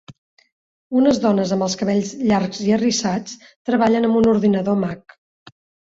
Unes dones amb els cabells llargs i arrissats treballen amb un ordinador mac.